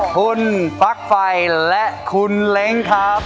คุณปลั๊กไฟและคุณเล้งครับ